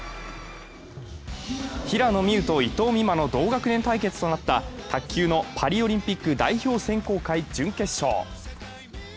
平野美宇と伊藤美誠の同学年対決となった卓球のパリオリンピック代表選考会準決勝。